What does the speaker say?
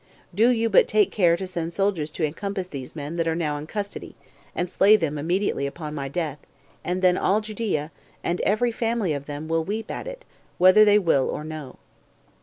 Do you but take care to send soldiers to encompass these men that are now in custody, and slay them immediately upon my death, and then all Judea, and every family of them, will weep at it, whether they will or no."